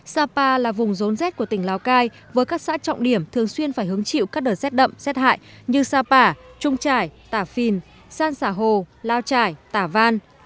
sapa là vùng rốn rét của tỉnh lào cai với các xã trọng điểm thường xuyên phải hứng chịu các đợt rét đậm rét hại như sapa trung trải tà phìn san sả hồ lào trải tà văn